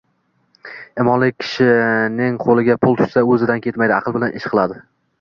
Imonli kishining qo‘liga pul tushsa, o‘zidan ketmaydi, aql bilan ish qiladi.